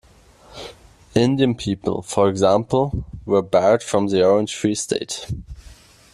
Indian people, for example, were barred from the Orange Free State.